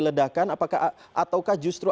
ledakan apakah ataukah justru